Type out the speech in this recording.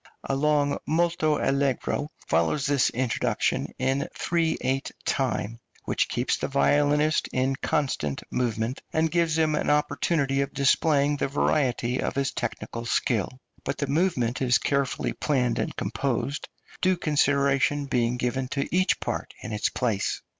A long molto allegro follows this introduction, in 3 8 time, which keeps the violinist in constant movement, and gives him an opportunity of displaying the variety of his technical skill; but the movement is carefully planned and composed, due consideration being given to each part in its place.